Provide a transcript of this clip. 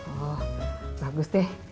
oh bagus deh